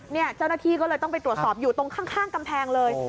เจ้าหน้าที่ก็เลยต้องไปตรวจสอบอยู่ตรงข้างกำแพงเลย